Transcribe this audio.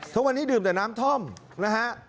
ทุกวันนี้ดื่มแต่น้ำท่อมนะฮะ